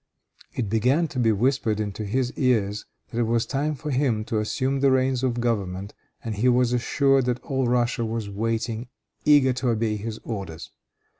It began to be whispered into his ears that it was time for him to assume the reins of government, and he was assured that all Russia was waiting, eager to obey his orders.